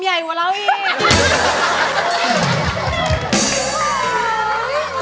ใหญ่ว่ะระวิก